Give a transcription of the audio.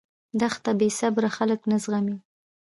دښته بېصبره خلک نه زغمي.